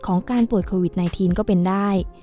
การป่วยโควิด๑๙ก็เป็นได้